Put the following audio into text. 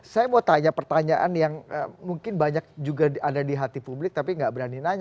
saya mau tanya pertanyaan yang mungkin banyak juga ada di hati publik tapi nggak berani nanya